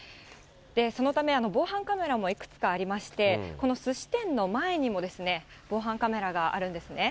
そのため、防犯カメラもいくつかありまして、このすし店の前にも、防犯カメラがあるんですね。